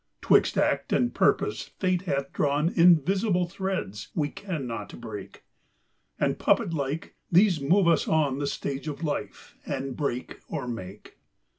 'Twixt act and purpose fate hath drawn Invisible threads we can not break, And puppet like these move us on The stage of life, and break or make.